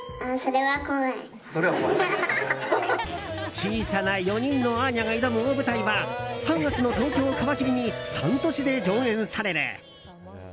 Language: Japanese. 小さな４人のアーニャが挑む大舞台は３月の東京を皮切りに３都市で上演される。